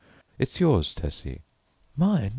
"It's yours, Tessie." "Mine?"